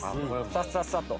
サッサッサッと。